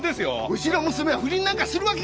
ウチの娘は不倫なんかするわけがないんです！